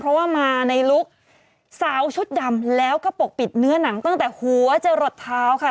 เพราะว่ามาในลุคสาวชุดดำแล้วก็ปกปิดเนื้อหนังตั้งแต่หัวจะหลดเท้าค่ะ